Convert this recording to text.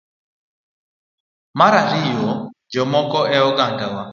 Mar ariyo, jomoko e ogandawa